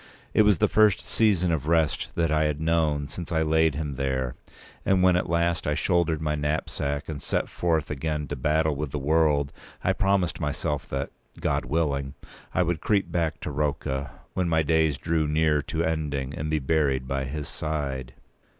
It was the first season of rest that I had known p. 210since I laid him there; and when at last I shouldered my knapsack and set forth again to battle with the world, I promised myself that, God willing, I would creep back to Rocca, when my days drew near to ending, and be buried by his side.